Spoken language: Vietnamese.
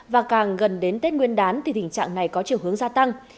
và càng gần đến tết nguyên đán thì tình trạng này có chiều hướng gia tăng